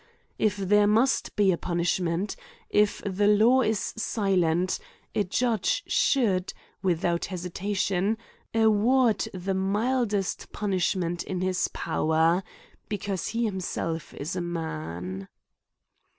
If there must be a punishment; if the law is silent ; a judge' should, without hesitation, award the mildest pun ishment in his power — Because he himself is a man.